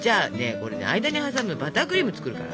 これ間に挟むバタークリーム作るから。